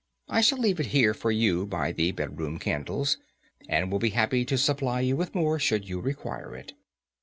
I shall leave it here for you by the bedroom candles, and will be happy to supply you with more, should you require it."